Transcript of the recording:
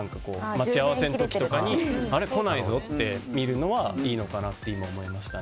待ち合わせの時とかに来ないぞって見るのはいいのかなって今思いました。